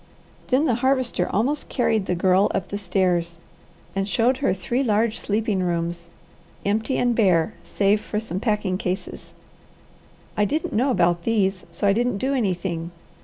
Then the Harvester almost carried the Girl up the stairs and showed her three large sleeping rooms, empty and bare save for some packing cases. "I didn't know about these, so I didn't do anything.